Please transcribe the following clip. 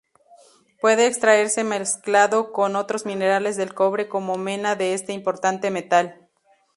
Puede extraerse mezclado con otros minerales del cobre como mena de este importante metal.